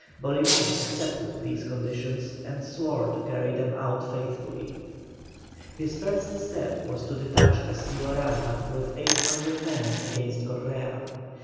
Bolívar accepted these conditions, and swore to carry them out faithfully. His first step was to detach Castillo Rada with 800 men against Correa.